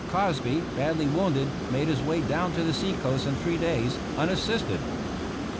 Cosby, badly wounded, made his way down to the sea coast in three days, unassisted.